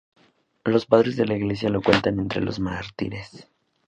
Los padres de la Iglesia lo cuentan entre los mártires.